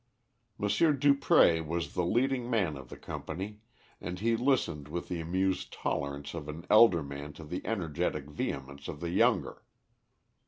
M. Dupré was the leading man of the company, and he listened with the amused tolerance of an elder man to the energetic vehemence of the younger.